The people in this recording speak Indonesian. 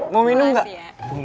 mau minum gak